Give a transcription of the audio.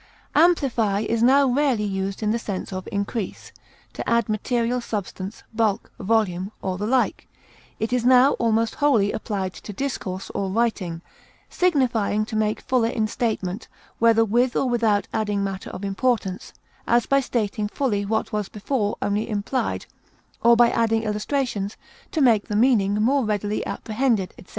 Amplify is now rarely used in the sense of increase, to add material substance, bulk, volume, or the like; it is now almost wholly applied to discourse or writing, signifying to make fuller in statement, whether with or without adding matter of importance, as by stating fully what was before only implied, or by adding illustrations to make the meaning more readily apprehended, etc.